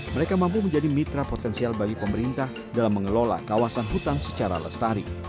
mereka mampu menjadi mitra potensial bagi pemerintah dalam mengelola kawasan hutan secara lestari